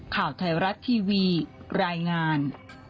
ข่าวไทยรัฐทีวีรายงาน